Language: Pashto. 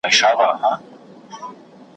لوی وجود ته یې زمری پاچا حیران سو ,